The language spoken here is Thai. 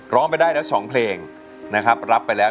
ร้อมไปได้แล้ว๒เพลงรับไปแล้ว